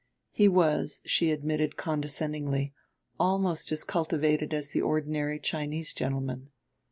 He was, she admitted condescendingly, almost as cultivated as the ordinary Chinese gentleman.